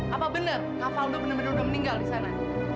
apa bener kapal lo bener dua meninggal disana